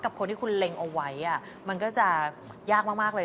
คนที่คุณเล็งเอาไว้มันก็จะยากมากเลย